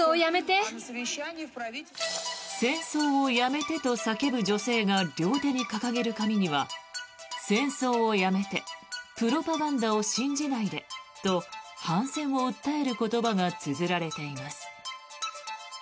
戦争をやめてと叫ぶ女性が両手に掲げる紙には戦争をやめてプロパガンダを信じないでと反戦を訴える言葉がつづられています。